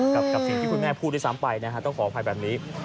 กับสิ่งที่คุณแม่พูดด้วยซ้ำไปนะฮะต้องขออภัยแบบนี้